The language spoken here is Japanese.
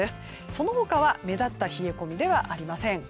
その他は目立った冷え込みではありません。